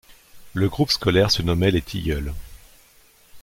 Le groupe scolaire se nommait les Tilleuls.